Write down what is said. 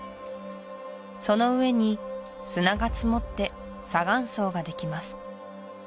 その上に砂が積もって砂岩層ができます